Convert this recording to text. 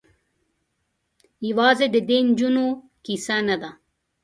یوازې د دې نجونو کيسه نه ده.